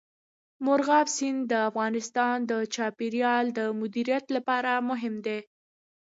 مورغاب سیند د افغانستان د چاپیریال د مدیریت لپاره مهم دي.